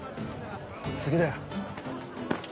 次だよ。